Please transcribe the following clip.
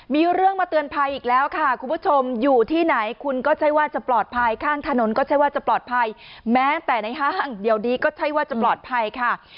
มีเรื่องมาเตือนภัยอีกแล้วค่ะคุณผู้ชมอยู่ที่ไหนคุณก็ใช่ว่าจะปลอดภัยข้างถนนก็ใช่ว่าจะปลอดภัยแม้แต่ในห้างเดี๋ยวนี้ก็ใช่ว่าจะปลอดภัยค่ะ